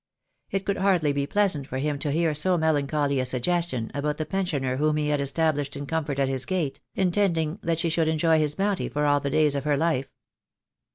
It could hardly be pleasant for him to hear so melancholy a suggestion about the pensioner whom he had established in comfort at his gate, intending that she should enjoy his bounty for all the days of her life.